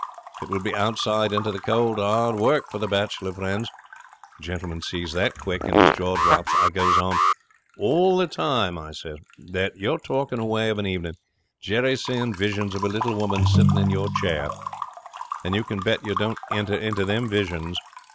It would be outside into the cold, hard world for the bachelor friends. Gentleman sees that quick, and his jaw drops. I goes on. "All the time," I says, "that you're talking away of an evening, Jerry's seeing visions of a little woman sitting in your chair. And you can bet we don't enter into them visions.